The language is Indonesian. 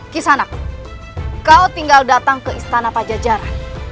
kisanaku kau tinggal datang ke istana pajajaran